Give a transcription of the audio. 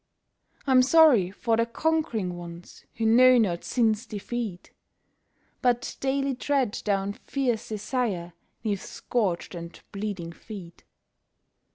I'm sorry for the conquering ones who know not sin's defeat, But daily tread down fierce desire 'neath scorched and bleeding feet.